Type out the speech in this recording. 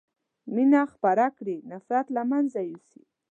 مينه خپره کړي نفرت له منځه يوسئ